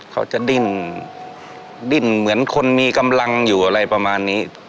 เขาจะดิ้นดิ้นเหมือนคนมีกำลังอยู่อะไรประมาณนี้